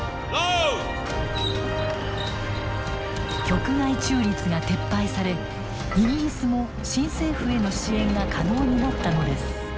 局外中立が撤廃されイギリスも新政府への支援が可能になったのです。